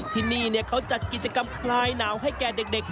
ที่นี่เขาจัดกิจกรรมคลายหนาวให้แก่เด็ก